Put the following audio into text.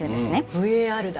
ＶＡＲだ。